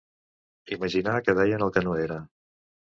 Imaginar que deien el que no era.